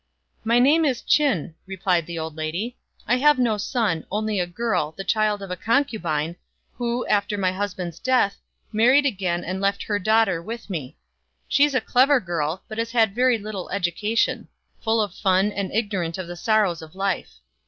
" My name is Ch'in," replied the old lady ;" I have no son : only a girl, the child of a concubine, who, after my husband's death, married again 4 and left her daughter with me. She's a clever girl, but has had very little education ; full of fun and ignorant of the sorrows of life.